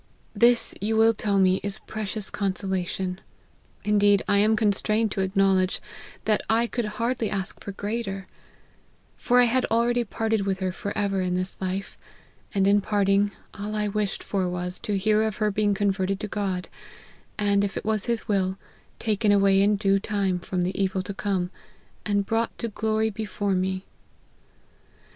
This, you will tell me, is precious consolation ; indeed I am constrained to acknow ledge that I could hardly ask for greater ; for I had already parted with her for ever in this life ; and, in parting, all I wished for was, to hear of her being converted to God, and, if it was his will, taken away in due time, from the evil to come, and brought to glory before me.